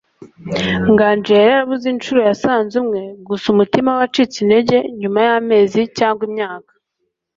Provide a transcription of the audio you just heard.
Nganji yari yarabuze inshuro yasanze 'Umwe', gusa umutima we wacitse intege nyuma y'amezi cyangwa imyaka.